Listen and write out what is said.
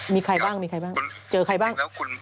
มีใครบ้าง